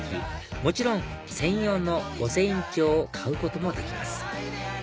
もちろん専用の御船印帳を買うこともできます